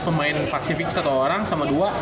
pemain pasifik satu orang sama dua